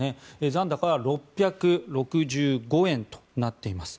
残高は６６５円となっています。